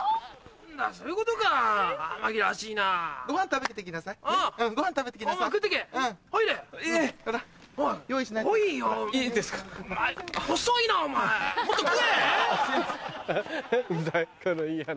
何だこのいい話。